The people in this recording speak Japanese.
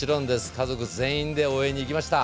家族全員で応援に行きました。